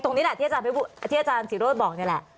ตรงนี้ที่อาจารย์ศิรษภ์บอกนี่แหละ